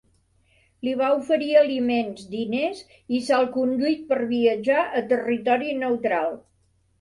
Li va oferir aliments, diners i salconduit per viatjar a territori neutral.